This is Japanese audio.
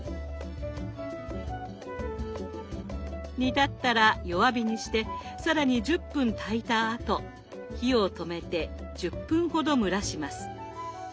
煮立ったら弱火にして更に１０分炊いたあと火を止めて１０分ほど蒸らします。